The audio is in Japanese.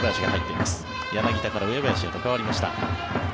柳田から上林へと代わりました。